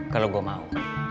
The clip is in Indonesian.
kalau gue mau